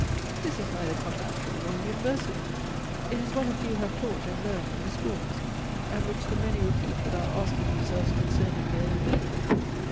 This is neither connatural nor universal. It is what a few have taught and learned in the schools, and which the many repeat without asking themselves concerning their own meaning.